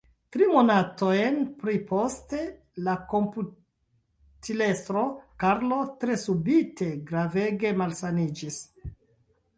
Tri monatojn pri poste la komputilestro Karlo tre subite gravege malsaniĝis.